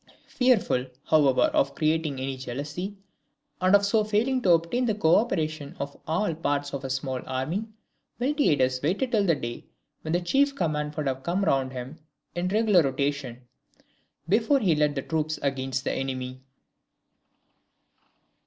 Fearful, however, of creating any jealousy, and of so failing to obtain the co operation of all parts of his small army, Miltiades waited till the day when the chief command would have come round to him in regular rotation, before he led the troops against the enemy.